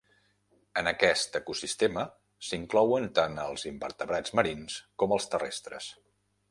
En aquest ecosistema s'inclouen tant els invertebrats marins com els terrestres.